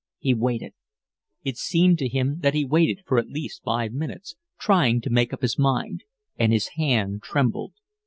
He waited. It seemed to him that he waited for at least five minutes, trying to make up his mind; and his hand trembled.